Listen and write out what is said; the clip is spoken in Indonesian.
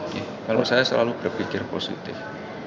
kalau saya selalu berpikir positif